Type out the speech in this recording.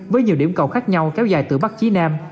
với nhiều điểm cầu khác nhau kéo dài từ bắc chí nam